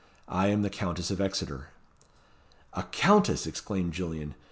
I am the Countess of Exeter." "A Countess!" exclaimed Gillian.